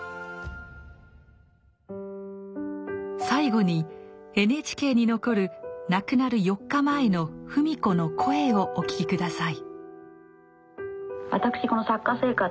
最後にＮＨＫに残る亡くなる４日前の芙美子の声をお聴き下さい。